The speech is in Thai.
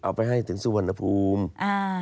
เอาไปให้ถึงสุวรรณภูมิ